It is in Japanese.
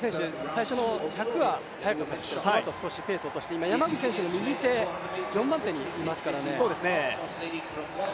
最初の１００は早かったですけどもそのあと、少しペースを落として山口選手の右手、４番手にいます。